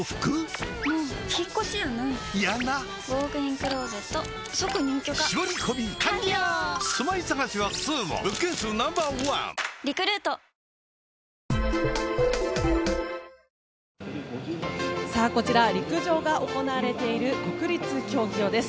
彼の特徴はこちら、陸上が行われている国立競技場です。